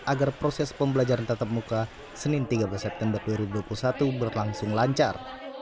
agar proses pembelajaran tatap muka senin tiga belas september dua ribu dua puluh satu berlangsung lancar